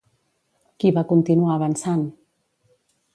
Qui va continuar avançant?